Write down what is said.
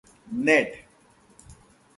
Ned.